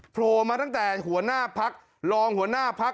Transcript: โผล่มาตั้งแต่หัวหน้าพักรองหัวหน้าพัก